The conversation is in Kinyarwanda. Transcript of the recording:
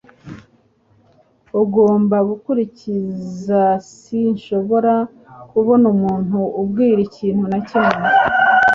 Ugomba gukurikizSinshobora kubona umuntu umbwira ikintu na kimwe.